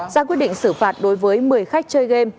ra quyết định xử phạt đối với một mươi khách chơi game